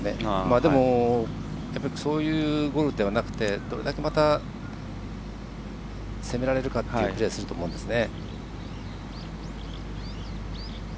でも、そういうものではなくてどれだけ、また攻められるかというプレーすると思うんですよね。